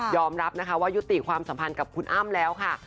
รับนะคะว่ายุติความสัมพันธ์กับคุณอ้ำแล้วค่ะ